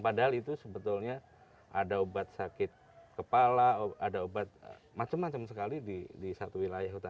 padahal itu sebetulnya ada obat sakit kepala ada obat macam macam sekali di satu wilayah hutan